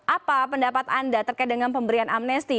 apa pendapat anda terkait dengan pemberian amnesti